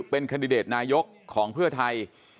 เป็นคันดิเดตนายกของเพื่อไทย